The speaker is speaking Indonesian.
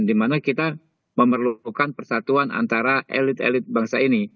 dimana kita memerlukan persatuan antara elit elit bangsa ini